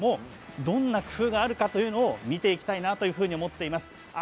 どんな工夫があるかというのを見ていきたいと思います。